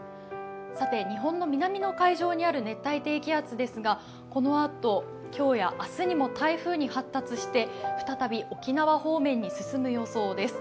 さて日本の南の海上にある熱帯低気圧ですがこのあと、今日や明日にも台風に発達して、再び沖縄方面に進む予想です。